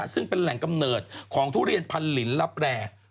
ซึ่งเป็นแหล่งกำเนิดของทุเรียนพันลินลับแร่